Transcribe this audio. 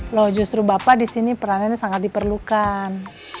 loh justru bapak disini peranan sangat diperlukan